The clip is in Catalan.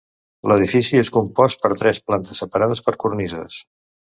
L'edifici és compost per tres plantes separades per cornises.